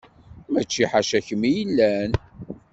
Mačči ḥaca kemm i yellan.